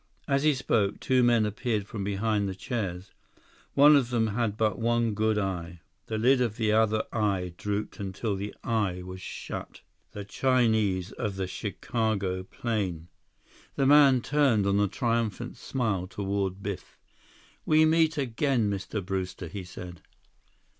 As he spoke, two men appeared from behind the chairs. One of them had but one good eye. The lid of the other eye drooped until the eye was shut. The Chinese of the Chicago plane! The man turned on a triumphant smile toward Biff. "We meet again, Mr. Brewster," he said.